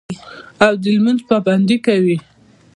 او د لمونځ پابندي کوي